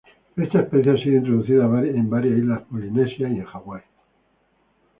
Esta especia ha sido introducida a varias islas polinesias, y Hawaii.